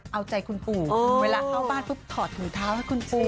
เอาใจคุณปู่เวลาเข้าบ้านปุ๊บถอดถุงเท้าให้คุณปู่